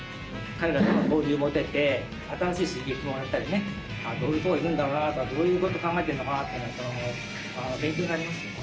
彼らと交流持てて新しい刺激もらったりねどういうとこいくんだろうなとかどういうこと考えてんのかなっていうのは勉強になりますよね。